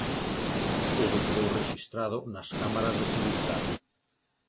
Todo quedou rexistrado nas cámaras de seguridade.